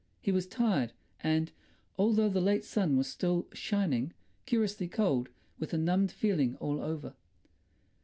He was tired and, although the late sun was still shining, curiously cold, with a numbed feeling all over.